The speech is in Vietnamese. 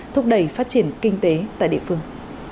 thúc đẩy phát triển kinh tế tại địa phương